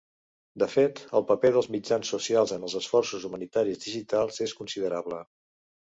De fet, el paper dels mitjans socials en els esforços humanitaris digitals és considerable.